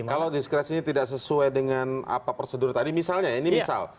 kalau diskresinya tidak sesuai dengan apa prosedur tadi misalnya ini misal